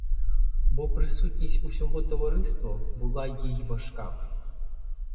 Бо присутність усього товариства була їй важка.